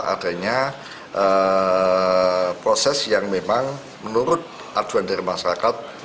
adanya proses yang memang menurut aduan dari masyarakat